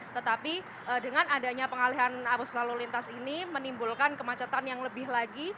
tetapi dengan adanya pengalihan arus lalu lintas ini menimbulkan kemacetan yang lebih lagi